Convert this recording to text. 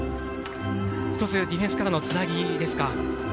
ひとつ、ディフェンスからのつなぎですか？